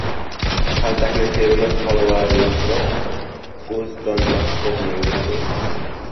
Kaltakni fermer, holvani «O‘zdonmahsulot» yeyaveradimi?